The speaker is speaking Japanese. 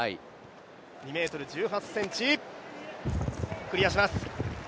２ｍ１８ｃｍ、クリアします。